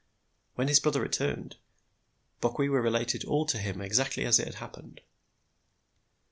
When his brother returned, Bokwewa related all to him exactly as it had happened.